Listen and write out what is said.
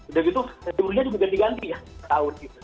nah udah gitu jurunya juga diganti ganti ya